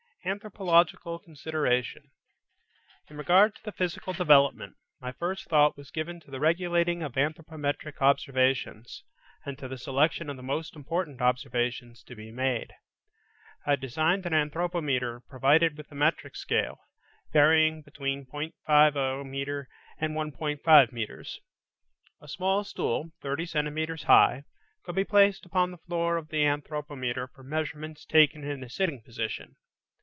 ANTHROPOLOGICAL CONSIDERATION In regard to physical development, my first thought was given to the regulating of anthropometric observations, and to the selection of the most important observations to be made. I designed an anthropometer provided with the metric scale, varying between .50 metre and 1.50 metres. A small stool, 30 centimetres high, could be placed upon the floor of the anthropometer for measurements taken in a sitting position.